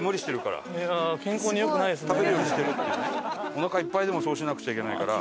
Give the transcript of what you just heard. おなかいっぱいでもそうしなくちゃいけないから。